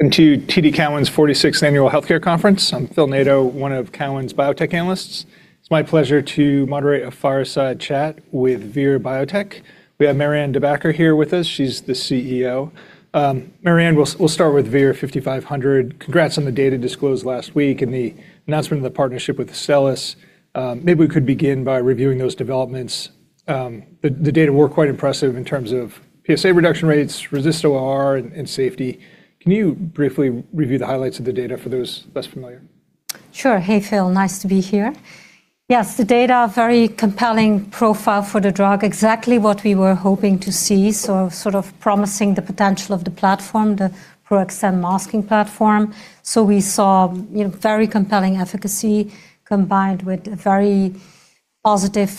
Welcome to TD Cowen's 46th Annual Healthcare Conference. I'm Phil Nadeau, one of Cowen's biotech analysts. It's my pleasure to moderate a fireside chat with Vir Biotechnology. We have Marianne De Backer here with us. She's the CEO. Marianne, we'll start with VIR-5500. Congrats on the data disclosed last week and the announcement of the partnership with Astellas. Maybe we could begin by reviewing those developments. The data were quite impressive in terms of PSA reduction rates, RECIST ORR and safety. Can you briefly review the highlights of the data for those less familiar? Sure. Hey, Phil. Nice to be here. Yes, the data are very compelling profile for the drug. Exactly what we were hoping to see. Sort of promising the potential of the platform, the PRO-XTEN masking platform. We saw, you know, very compelling efficacy combined with a very positive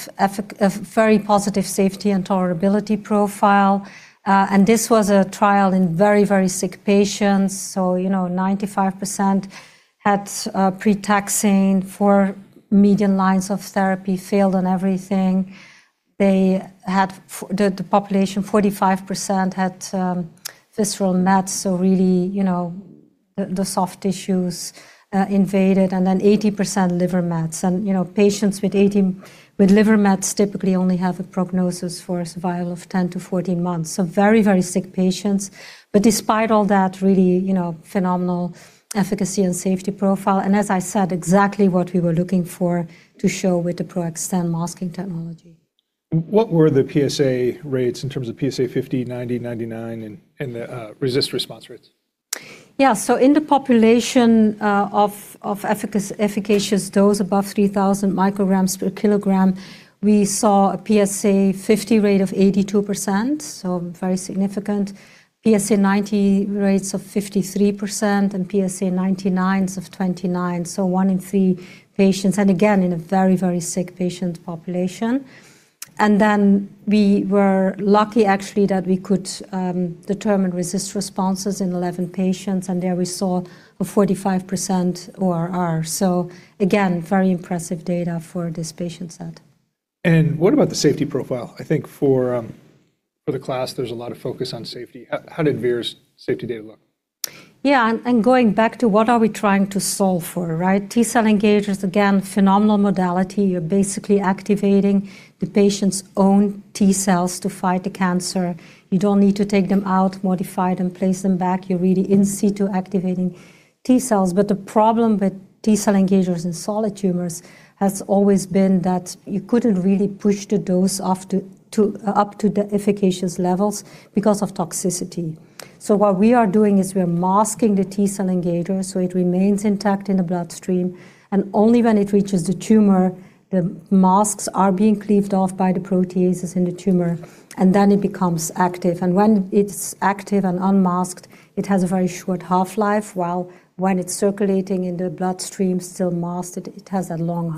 safety and tolerability profile. This was a trial in very, very sick patients. You know, 95% had pre-taxane, four median lines of therapy, failed on everything. They had the population, 45% had visceral mets. Really, you know, the soft tissues invaded, 80% liver mets. You know, patients with liver mets typically only have a prognosis for survival of 10-14 months. Very, very sick patients. Despite all that, really, you know, phenomenal efficacy and safety profile, and as I said, exactly what we were looking for to show with the PRO-XTEN masking technology. What were the PSA rates in terms of PSA50, PSA90, PSA99, and the RECIST response rates? In the population of efficacious dose above 3,000 micrograms per kilogram, we saw a PSA50 rate of 82%, very significant. PSA90 rates of 53% and PSA99s of 29, one in three patients, and again, in a very, very sick patient population. We were lucky actually that we could determine RECIST responses in 11 patients, there we saw a 45% ORR. Again, very impressive data for this patient set. What about the safety profile? I think for the class, there's a lot of focus on safety. How did Vir's safety data look? Going back to what are we trying to solve for, right? T-cell engagers, again, phenomenal modality. You're basically activating the patient's own T-cells to fight the cancer. You don't need to take them out, modify it and place them back. You're really in situ activating T-cells. The problem with T-cell engagers in solid tumors has always been that you couldn't really push the dose after to, up to the efficacious levels because of toxicity. What we are doing is we are masking the T-cell engager, so it remains intact in the bloodstream, and only when it reaches the tumor, the masks are being cleaved off by the proteases in the tumor, and then it becomes active. When it's active and unmasked, it has a very short half-life, while when it's circulating in the bloodstream, still masked, it has a long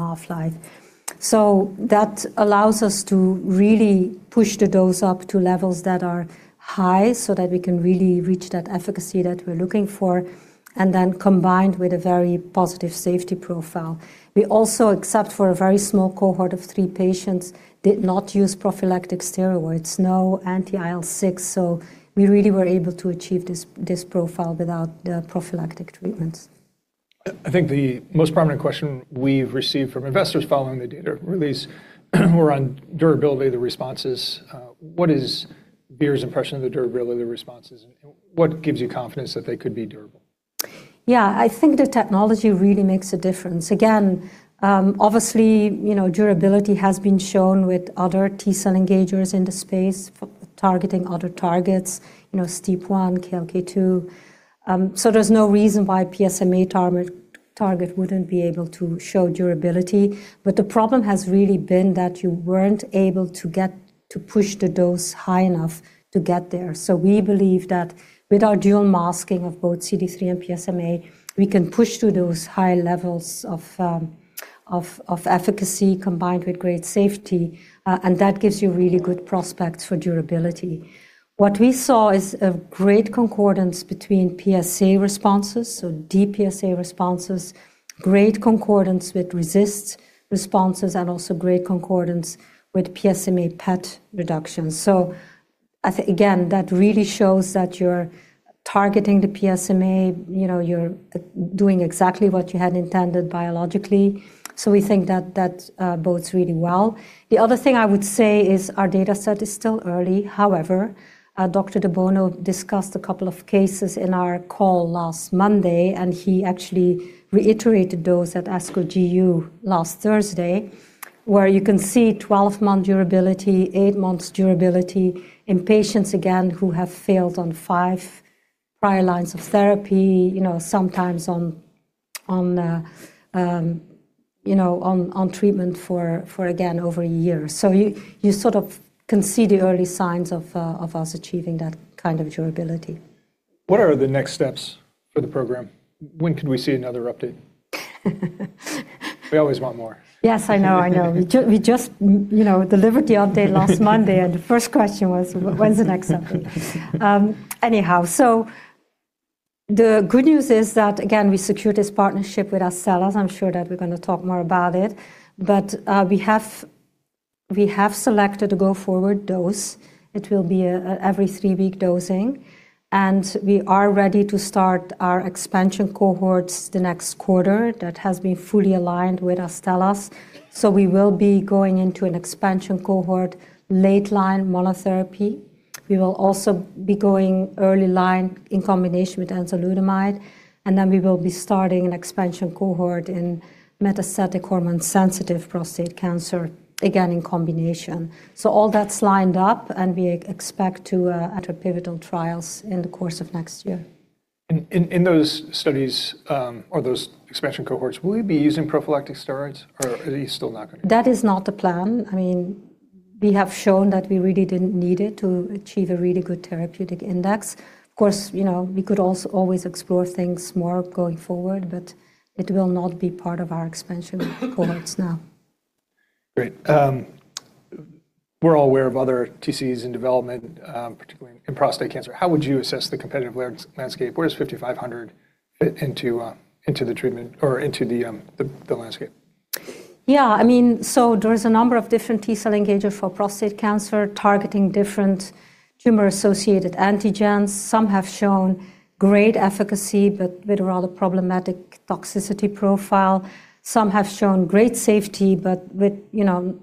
half-life. That allows us to really push the dose up to levels that are high so that we can really reach that efficacy that we're looking for, and then combined with a very positive safety profile. We also, except for a very small cohort of three patients, did not use prophylactic steroids, no anti-IL-6, so we really were able to achieve this profile without the prophylactic treatments. I think the most prominent question we've received from investors following the data release were on durability of the responses. What is Vir's impression of the durability of the responses, and what gives you confidence that they could be durable? I think the technology really makes a difference. Again, obviously, you know, durability has been shown with other T-cell engagers in the space for targeting other targets, you know, STIP1, KLK2. There's no reason why PSMA target wouldn't be able to show durability, but the problem has really been that you weren't able to get to push the dose high enough to get there. We believe that with our dual masking of both CD3 and PSMA, we can push to those high levels of efficacy combined with great safety, and that gives you really good prospects for durability. What we saw is a great concordance between PSA responses, so dPSA responses, great concordance with RECIST responses, and also great concordance with PSMA PET reduction. Again, that really shows that you're targeting the PSMA, you know, you're doing exactly what you had intended biologically. We think that that bodes really well. The other thing I would say is our data set is still early. However, Johann de Bono discussed a couple of cases in our call last Monday, and he actually reiterated those at ASCO GU last Thursday, where you can see 12-month durability, eight months durability in patients, again, who have failed on five prior lines of therapy, you know, sometimes on treatment for again, over a year. You sort of can see the early signs of us achieving that kind of durability. What are the next steps for the program? When could we see another update? We always want more. Yes, I know. I know. We just, you know, delivered the update last Monday. The first question was, "When's the next update?" Anyhow, the good news is that again, we secured this partnership with Astellas. I'm sure that we're gonna talk more about it. We have selected a go-forward dose. It will be a every 3-week dosing, and we are ready to start our expansion cohorts the next quarter. That has been fully aligned with Astellas. We will be going into an expansion cohort late-line monotherapy. We will also be going early line in combination with enzalutamide, and then we will be starting an expansion cohort in metastatic hormone-sensitive prostate cancer, again, in combination. All that's lined up, and we expect to enter pivotal trials in the course of next year. In those studies, or those expansion cohorts, will you be using prophylactic steroids, or are you still not gonna do that? That is not the plan. I mean, we have shown that we really didn't need it to achieve a really good therapeutic index. Of course, you know, we could also always explore things more going forward, but it will not be part of our expansion cohorts now. Great. We're all aware of other TCEs in development, particularly in prostate cancer. How would you assess the competitive landscape? Where does VIR-5500 fit into the treatment or into the landscape? There is a number of different T-cell engager for prostate cancer targeting different tumor-associated antigens. Some have shown great efficacy, but with a rather problematic toxicity profile. Some have shown great safety, but with, you know,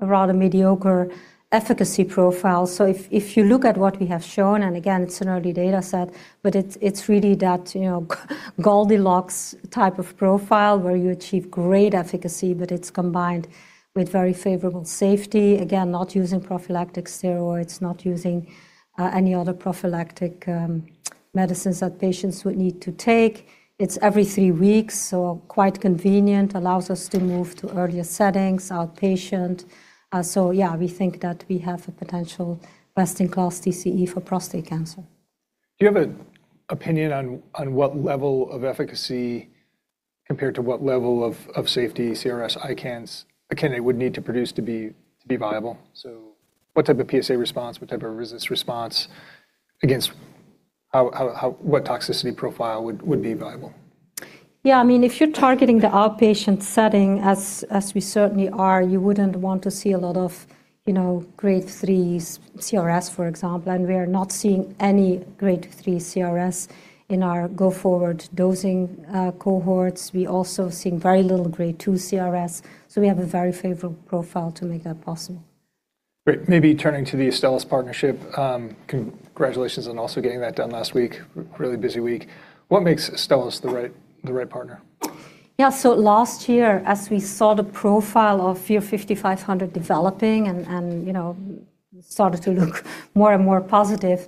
a rather mediocre efficacy profile. If you look at what we have shown, and again, it's an early data set, but it's really that, you know, Goldilocks type of profile where you achieve great efficacy, but it's combined with very favorable safety. Again, not using prophylactic steroids, not using any other prophylactic medicines that patients would need to take. It's every three weeks, so quite convenient, allows us to move to earlier settings, outpatient. We think that we have a potential best-in-class TCE for prostate cancer. Do you have an opinion on what level of efficacy compared to what level of safety CRS ICANS would need to produce to be viable? What type of PSA response, what type of resistance response against how what toxicity profile would be viable? Yeah. I mean, if you're targeting the outpatient setting as we certainly are, you wouldn't want to see a lot of, you know, grade 3 CRS, for example. We are not seeing any grade 3 CRS in our go-forward dosing cohorts. We also seeing very little grade 2 CRS, we have a very favorable profile to make that possible. Great. Maybe turning to the Astellas partnership, congratulations on also getting that done last week. Really busy week. What makes Astellas the right partner? Yeah. Last year, as we saw the profile of VIR-5500 developing and, you know, started to look more and more positive,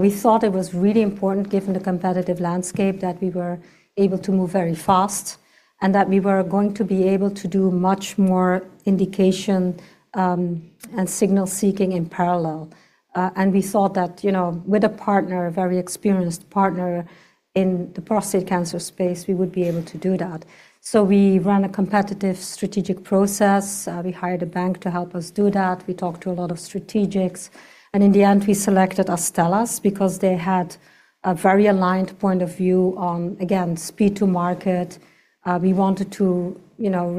we thought it was really important given the competitive landscape that we were able to move very fast and that we were going to be able to do much more indication and signal seeking in parallel. We thought that, you know, with a partner, a very experienced partner in the prostate cancer space, we would be able to do that. We ran a competitive strategic process. We hired a bank to help us do that. We talked to a lot of strategics, and in the end, we selected Astellas because they had a very aligned point of view on, again, speed to market. We wanted to, you know,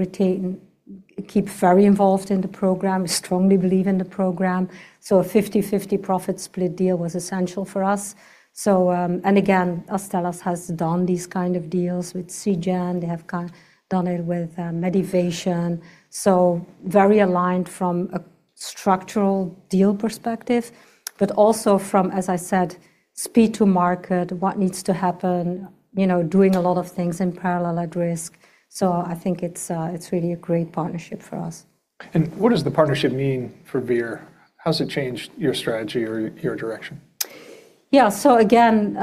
keep very involved in the program. We strongly believe in the program, a 50/50 profit split deal was essential for us. Again, Astellas has done these kind of deals with Seagen. They have done it with Medivation. Very aligned from a structural deal perspective, but also from, as I said, speed to market, what needs to happen, you know, doing a lot of things in parallel at risk. I think it's really a great partnership for us. What does the partnership mean for Vir? How does it change your strategy or your direction? Again,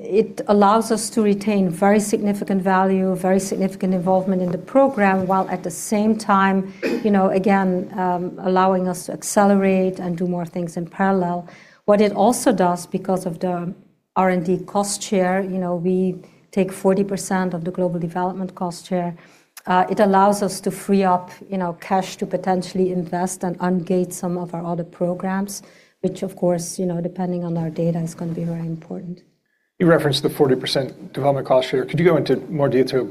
it allows us to retain very significant value, very significant involvement in the program, while at the same time, you know, again, allowing us to accelerate and do more things in parallel. What it also does because of the R&D cost share, you know, we take 40% of the global development cost share, it allows us to free up, you know, cash to potentially invest and ungate some of our other programs, which of course, you know, depending on our data, is gonna be very important. You referenced the 40% development cost share. Could you go into more detail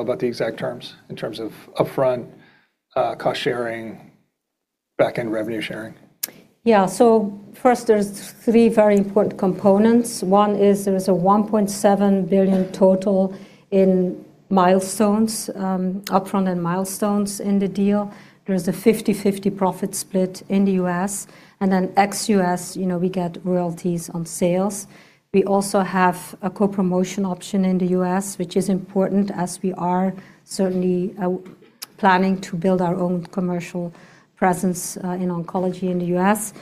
about the exact terms in terms of upfront, cost sharing, back-end revenue sharing? First, there's three very important components. One is there is a $1.7 billion total in milestones, upfront and milestones in the deal. There is a 50/50 profit split in the U.S., ex-U.S., you know, we get royalties on sales. We also have a co-promotion option in the U.S., which is important as we are certainly planning to build our own commercial presence in oncology in the U.S.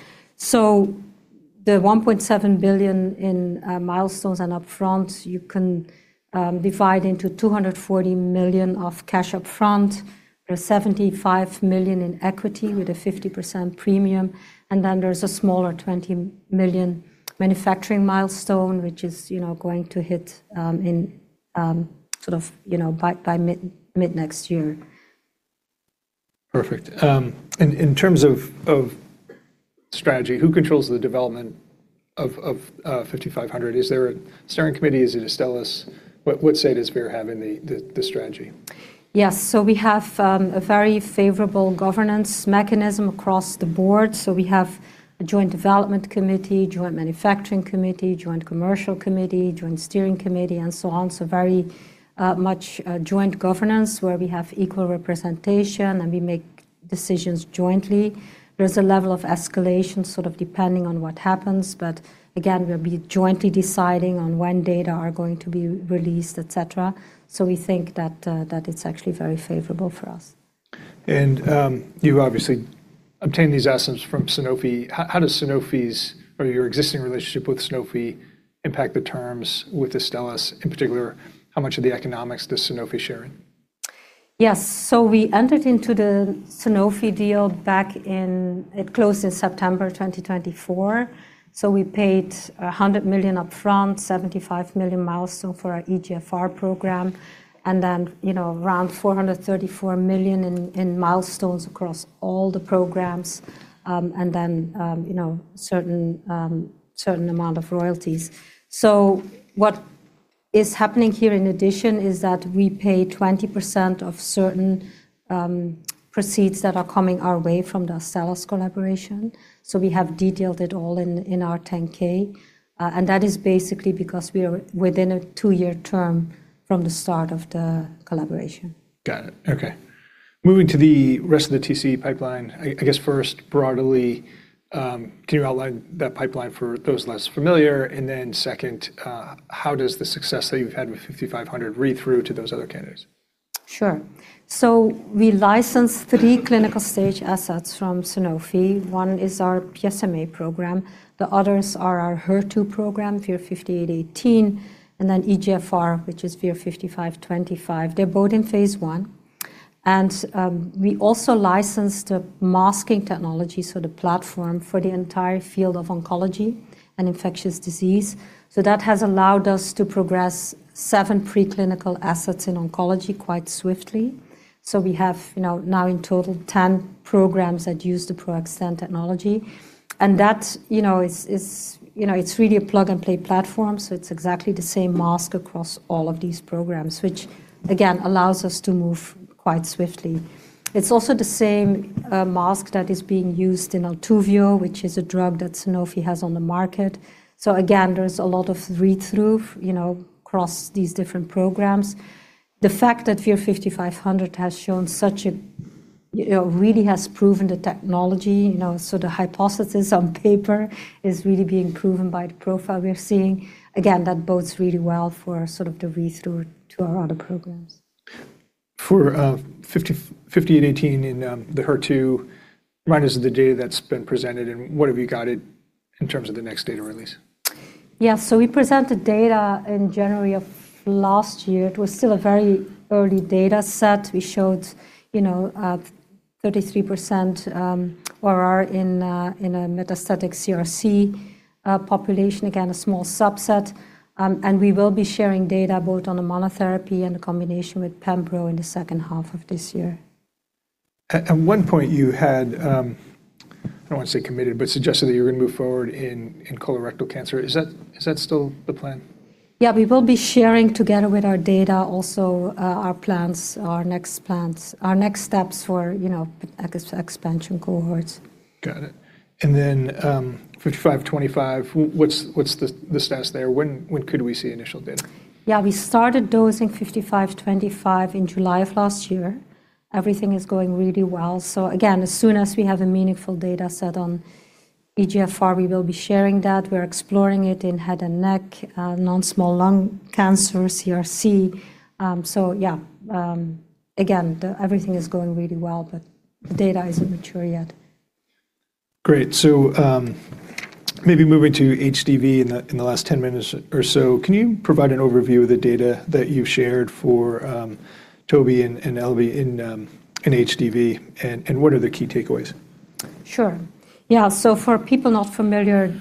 The $1.7 billion in milestones and upfront, you can divide into $240 million of cash upfront. There are $75 million in equity with a 50% premium, there's a smaller $20 million manufacturing milestone, which is, you know, going to hit, you know, by mid-next year. Perfect. In terms of strategy, who controls the development of 5500? Is there a steering committee? Is it Astellas? What say does Vir have in the strategy? Yes. We have a very favorable governance mechanism across the board. We have a joint development committee, joint manufacturing committee, joint commercial committee, joint steering committee, and so on. Very much joint governance where we have equal representation, and we make decisions jointly. There's a level of escalation sort of depending on what happens, but again, we'll be jointly deciding on when data are going to be released, et cetera. We think that it's actually very favorable for us. You obviously obtained these assets from Sanofi. How does Sanofi's or your existing relationship with Sanofi impact the terms with Astellas? In particular, how much of the economics does Sanofi share? We entered into the Sanofi deal back in... It closed in September 2024. We paid $100 million upfront, $75 million milestone for our EGFR program, and then, you know, around $434 million in milestones across all the programs, and then, you know, certain amount of royalties. What is happening here in addition is that we pay 20% of certain proceeds that are coming our way from the Astellas collaboration. We have detailed it all in our 10-K, and that is basically because we are within a 2-year term from the start of the collaboration. Got it. Okay. Moving to the rest of the TC pipeline, I guess first, broadly, can you outline that pipeline for those less familiar? Second, how does the success that you've had with VIR-5500 read through to those other candidates? Sure. We licensed three clinical stage assets from Sanofi. One is our PSMA program. The others are our HER2 program, VIR-5818, and then EGFR, which is VIR-5525. They're both in Phase I. We also licensed a masking technology, so the platform for the entire field of oncology and infectious disease. That has allowed us to progress seven preclinical assets in oncology quite swiftly. We have, you know, now in total 10 programs that use the PRO-XTEN technology. That, you know, is, you know, it's really a plug-and-play platform, so it's exactly the same mask across all of these programs, which again allows us to move quite swiftly. It's also the same mask that is being used in ALTUVIIIO, which is a drug that Sanofi has on the market. Again, there's a lot of read-through, you know, across these different programs. The fact that VIR-5500 has shown, you know, really has proven the technology, you know, the hypothesis on paper is really being proven by the profile we're seeing. That bodes really well for sort of the read-through to our other programs. For 5818 in the HER2, remind us of the data that's been presented and what have you got it in terms of the next data release? Yeah. We presented data in January of last year. It was still a very early data set. We showed, you know, 33% ORR in a metastatic CRC population, again, a small subset. We will be sharing data both on the monotherapy and the combination with pembrolizumab in the second half of this year. At one point you had, I don't want to say committed, but suggested that you were gonna move forward in colorectal cancer. Is that still the plan? Yeah, we will be sharing together with our data also, our plans, our next plans, our next steps for, you know, expansion cohorts. Got it. What's 5525, what's the status there? When could we see initial data? Yeah. We started dosing 5525 in July of last year. Everything is going really well. Again, as soon as we have a meaningful data set on EGFR, we will be sharing that. We're exploring it in head and neck, non-small cell lung cancer, CRC. Yeah. Again, everything is going really well, but the data isn't mature yet. Great. maybe moving to HDV in the, in the last 10 minutes or so, can you provide an overview of the data that you've shared for, tobevibart and elebsiran in, HDV, and what are the key takeaways? Sure. Yeah. For people not familiar,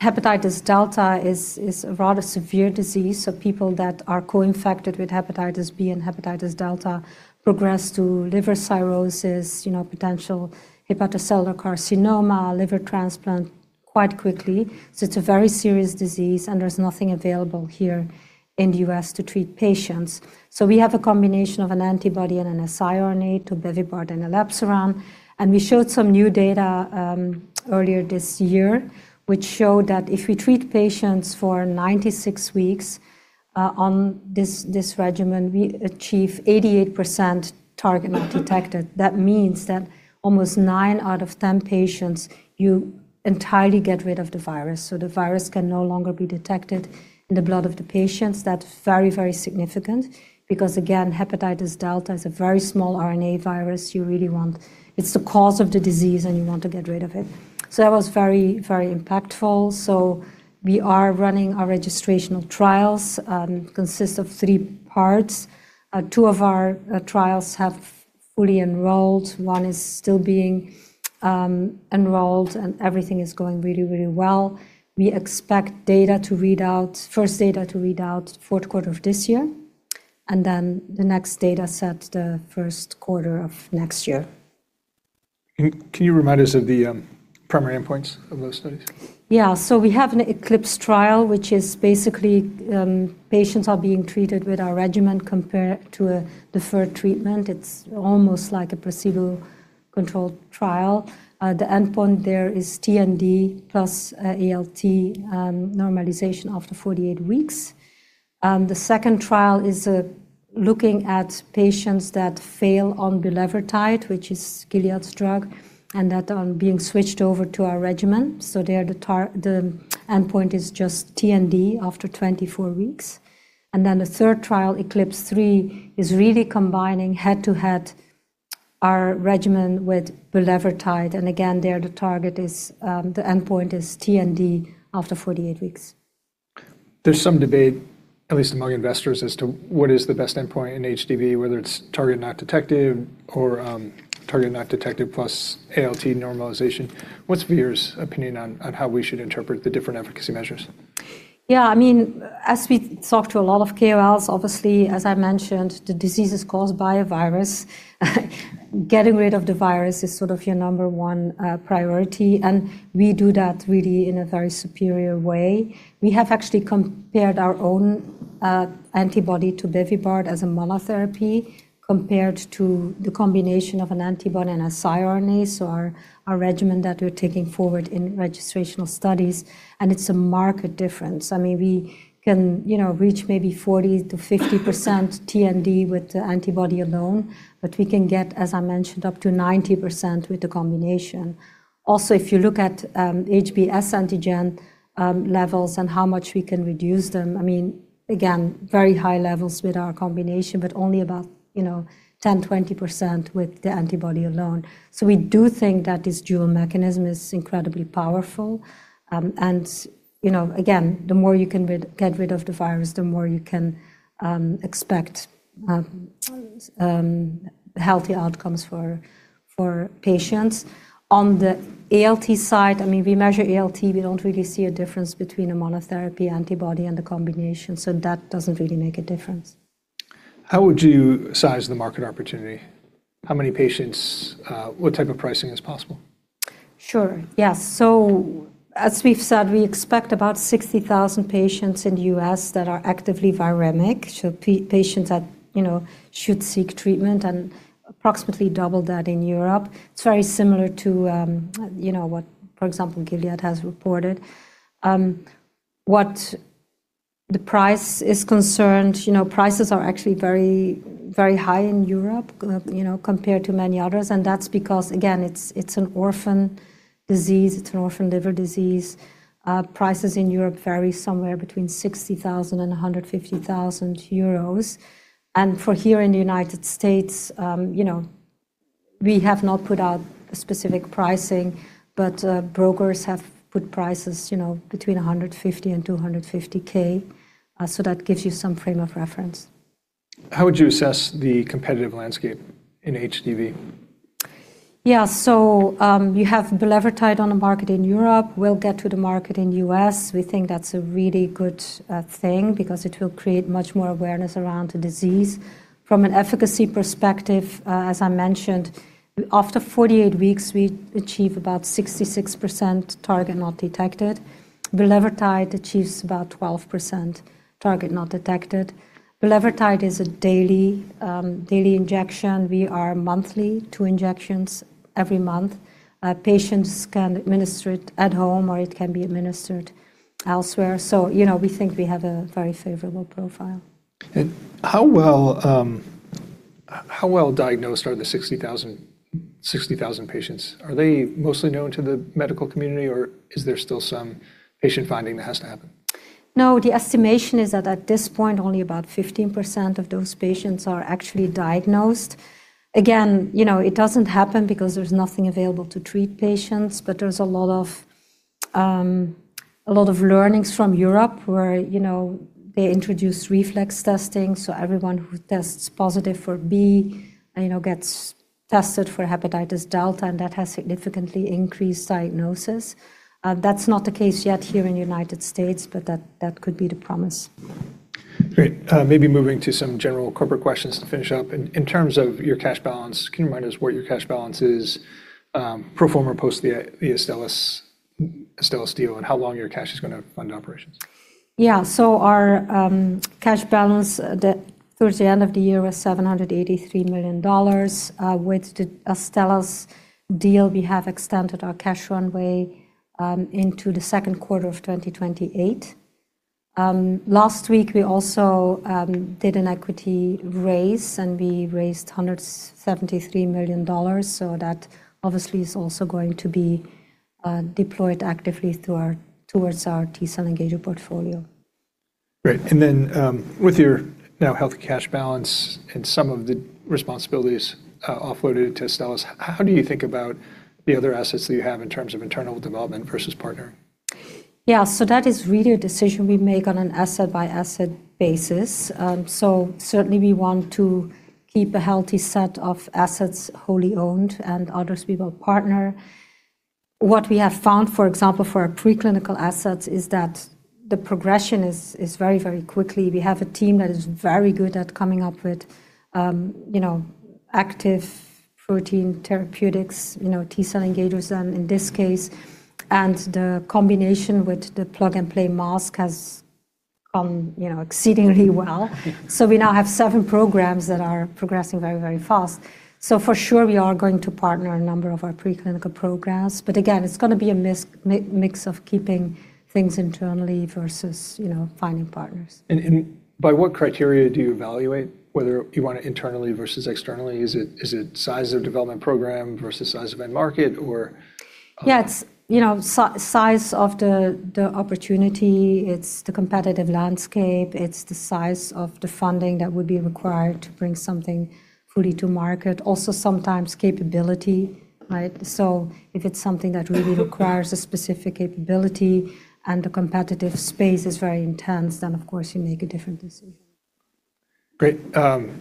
hepatitis delta is a rather severe disease. People that are co-infected with hepatitis B and hepatitis delta progress to liver cirrhosis, you know, potential hepatocellular carcinoma, liver transplant quite quickly. It's a very serious disease, and there's nothing available here in the U.S. to treat patients. We have a combination of an antibody and an siRNA, tobevibart and elebsiran. We showed some new data earlier this year, which showed that if we treat patients for 96 weeks on this regimen, we achieve 88% target not detected. That means that almost nine out of ten patients, you entirely get rid of the virus, so the virus can no longer be detected in the blood of the patients. That's very significant because, again, hepatitis delta is a very small RNA virus you really want... It's the cause of the disease, and you want to get rid of it. That was very, very impactful. We are running our registrational trials, consists of three parts. Two of our trials have fully enrolled. One is still being enrolled, and everything is going really, really well. We expect data to read out, first data to read out fourth quarter of this year. The next data set, the first quarter of next year. Can you remind us of the primary endpoints of those studies? Yeah. We have an ECLIPSE trial, which is basically, patients are being treated with our regimen compared to a deferred treatment. It's almost like a placebo-controlled trial. The endpoint there is TND plus, ALT, normalization after 48 weeks. The second trial is looking at patients that fail on bulevirtide, which is Gilead's drug, and that are being switched over to our regimen. There the endpoint is just TND after 24 weeks. The third trial, ECLIPSE-3, is really combining head-to-head our regimen with bulevirtide. Again, there the target is, the endpoint is TND after 48 weeks. There's some debate, at least among investors, as to what is the best endpoint in HDV, whether it's target not detected or, target not detected plus ALT normalization. What's Vir's opinion on how we should interpret the different efficacy measures? Yeah, I mean, as we talk to a lot of KOLs, obviously, as I mentioned, the disease is caused by a virus. Getting rid of the virus is sort of your number one priority. We do that really in a very superior way. We have actually compared our own antibody to bevacizumab as a monotherapy compared to the combination of an antibody and a siRNA, so our regimen that we're taking forward in registrational studies, and it's a marked difference. I mean, we can, you know, reach maybe 40%-50% TND with the antibody alone, but we can get, as I mentioned, up to 90% with the combination. If you look at HBsAg levels and how much we can reduce them, I mean, again, very high levels with our combination, but only about, you know, 10%, 20% with the antibody alone. We do think that this dual mechanism is incredibly powerful. You know, again, the more you can get rid of the virus, the more you can expect healthy outcomes for patients. On the ALT side, I mean, we measure ALT, we don't really see a difference between a monotherapy antibody and the combination, so that doesn't really make a difference. How would you size the market opportunity? How many patients? What type of pricing is possible? Sure, yes. As we've said, we expect about 60,000 patients in the U.S. that are actively viremic, so patients that, you know, should seek treatment, and approximately double that in Europe. It's very similar to, you know, what, for example, Gilead has reported. What the price is concerned, you know, prices are actually very, very high in Europe, you know, compared to many others, and that's because, again, it's an orphan disease, it's an orphan liver disease. Prices in Europe vary somewhere between 60,000-150,000 euros. For here in the United States, you know, we have not put out specific pricing, but brokers have put prices, you know, between $150K-$250K, so that gives you some frame of reference. How would you assess the competitive landscape in HDV? Yeah. You have bulevirtide on the market in Europe, will get to the market in U.S. We think that's a really good thing because it will create much more awareness around the disease. From an efficacy perspective, as I mentioned, after 48 weeks, we achieve about 66% target not detected. Bulevirtide achieves about 12% target not detected. Bulevirtide is a daily injection. We are monthly, two injections every month. Patients can administer it at home, or it can be administered elsewhere. You know, we think we have a very favorable profile. How well diagnosed are the 60,000 patients? Are they mostly known to the medical community, or is there still some patient finding that has to happen? No, the estimation is that at this point, only about 15% of those patients are actually diagnosed. Again, you know, it doesn't happen because there's nothing available to treat patients, but there's a lot of, a lot of learnings from Europe where, you know, they introduce reflex testing, so everyone who tests positive for B, you know, gets tested for hepatitis delta, and that has significantly increased diagnosis. That's not the case yet here in United States, but that could be the promise. Great. maybe moving to some general corporate questions to finish up. In terms of your cash balance, can you remind us what your cash balance is pro forma post the Astellas deal, and how long your cash is gonna fund operations? Our cash balance that through the end of the year was $783 million. With the Astellas deal, we have extended our cash runway into the second quarter of 2028. Last week we also did an equity raise, and we raised $173 million, so that obviously is also going to be deployed actively towards our T-cell engager portfolio. Great. With your now healthy cash balance and some of the responsibilities, offloaded to Astellas, how do you think about the other assets that you have in terms of internal development versus partnering? That is really a decision we make on an asset-by-asset basis. Certainly we want to keep a healthy set of assets wholly owned and others we will partner. What we have found, for example, for our preclinical assets is that the progression is very, very quickly. We have a team that is very good at coming up with, you know, active protein therapeutics, you know, T-cell engagers in this case, and the combination with the plug-and-play mask has gone, you know, exceedingly well. We now have seven programs that are progressing very, very fast. For sure, we are going to partner a number of our preclinical programs. Again, it's gonna be a mix of keeping things internally versus, you know, finding partners. And by what criteria do you evaluate whether you want it internally versus externally? Is it size of development program versus size of end market, or? Yeah, it's, you know, size of the opportunity, it's the competitive landscape, it's the size of the funding that would be required to bring something fully to market. Also sometimes capability, right? If it's something that really requires a specific capability and the competitive space is very intense, then of course you make a different decision. Great.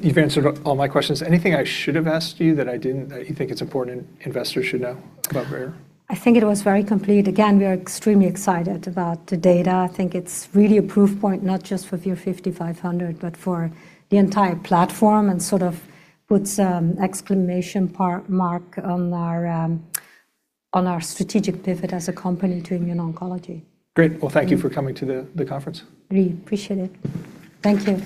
You've answered all my questions. Anything I should have asked you that I didn't that you think it's important investors should know about Vir? I think it was very complete. We are extremely excited about the data. I think it's really a proof point, not just for VIR-5500, but for the entire platform and sort of puts an exclamation mark on our on our strategic pivot as a company to immune oncology. Great. Well, thank you for coming to the conference. Really appreciate it. Thank you.